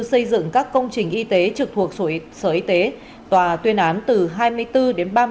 xây dựng các công trình y tế trực thuộc sở y tế tòa tuyên án từ hai mươi bốn đến